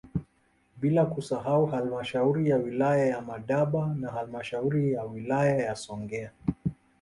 Bila kusahau halmashauri ya wilaya ya Madaba na halmashauri ya wilaya ya Songea